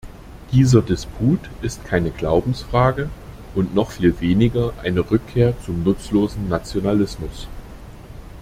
Dieser Disput ist keine Glaubensfrage und noch viel weniger eine Rückkehr zum nutzlosen Nationalismus.